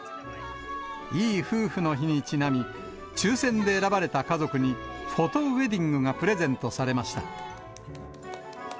いい夫婦の日にちなみ、抽せんで選ばれた家族に、フォトウエディングがプレゼントされました。